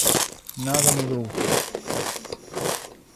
Nada mudou.